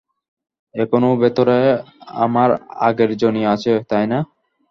এখনো ভেতরে আমার আগের জনি আছে, তাইনা?